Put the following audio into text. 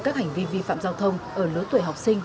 các hành vi vi phạm giao thông ở lứa tuổi học sinh